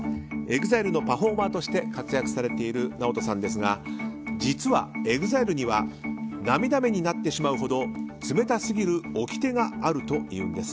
ＥＸＩＬＥのパフォーマーとして活躍されているＮＡＯＴＯさんですが実はＥＸＩＬＥには涙目になってしまうほど冷たすぎる掟があるというんです。